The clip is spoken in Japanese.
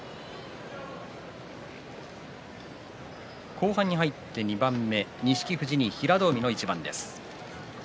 後半に入って２番目錦富士、平戸海の一番です。